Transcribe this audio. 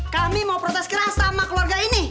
kami mau protes keras sama keluarga ini